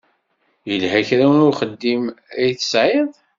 Yella kra n uxeddim ay tesɛiḍ?